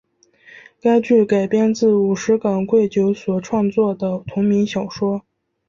该剧改编自五十岚贵久所创作的同名小说。